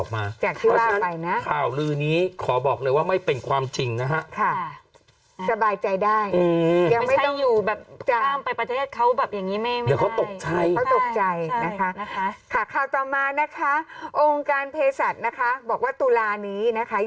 ค่ะค่าวต่อมานะคะองค์การเพศัตริย์นะคะบอกว่าตุลานี้นะคะ